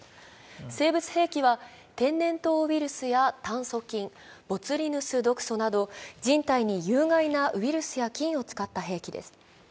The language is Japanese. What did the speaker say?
生物兵器は天然痘ウイルスや炭そ菌、ボツリヌス毒素など人体に有害なウイルスや菌を使った兵器です。